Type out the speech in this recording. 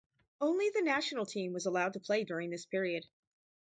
Only the national team was allowed to play during this period.